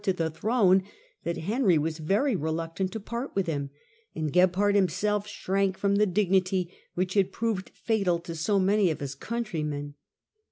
to the throne that Henry was very reluctant to part with him, and Gebhard himself shrank from the dignity which had proved fatal to so many of his countrymen.